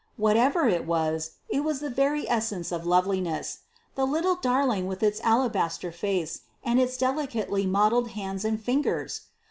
Whatever it was, it was the very essence of loveliness the tiny darling with its alabaster face, and its delicately modelled hands and fingers!